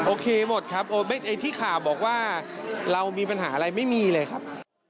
โอเคหมดครับที่ข่าวบอกว่าเรามีปัญหาอะไรไม่มีเลยครับ